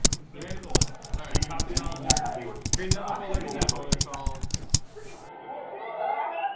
市民数人が駆け寄り握手を求めていました。